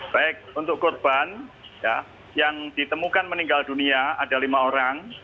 baik untuk korban yang ditemukan meninggal dunia ada lima orang